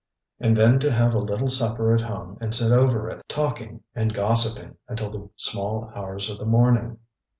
ŌĆØ And then to have a little supper at home and sit over it, talking and gossiping until the small hours of the morning.